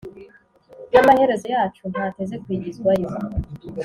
n’amaherezo yacu ntateze kwigizwayo,